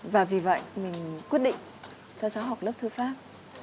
và vì vậy mình quyết định cho cháu học lớp thư pháp